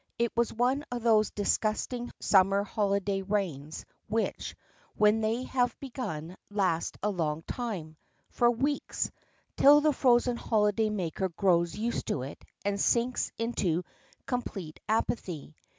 It was one of those disgusting summer holiday rains which, when they have begun, last a long time for weeks, till the frozen holiday maker grows used to it, and sinks into complete apathy.